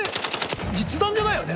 実弾じゃないよね？